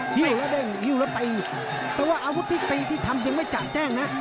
หิ้วและเด่งหิวแล้วไปแต่ว่าวักที่ทำยังไม่จากแจ้งนะ